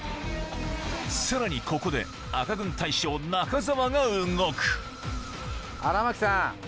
さらにここで赤軍大将・中澤が動く荒牧さん。